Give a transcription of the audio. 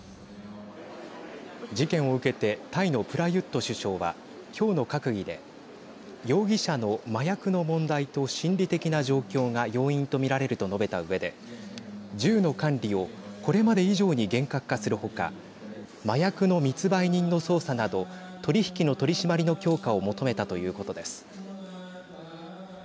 事件を受けてタイのプラユット首相は今日の閣議で容疑者の麻薬の問題と心理的な状況が要因と見られると述べたうえで銃の管理をこれまで以上に厳格化する他麻薬の密売人の捜査など取り引きの取締りの強化を求めたということです。